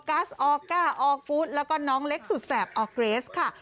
อกัสอก้าอกุฎแล้วก็น้องเล็กสุดแสบอเกรสค่ะ